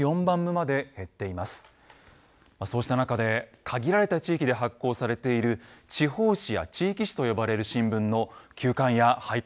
そうした中で限られた地域で発行されている地方紙や地域紙と呼ばれる新聞の休刊や廃刊も相次いでいます。